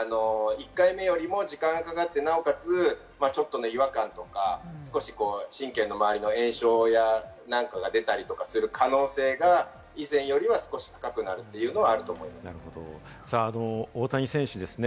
１回目よりも時間がかかって、なおかつ違和感とか、少し神経の周りの炎症や何かが出たりとかする可能性が以前よりは少し高くなるということはあると思います。